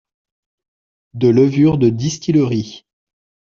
de levure de distillerie.